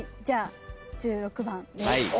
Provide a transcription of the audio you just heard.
じゃあ１６番で。